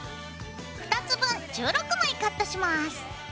２つ分１６枚カットします。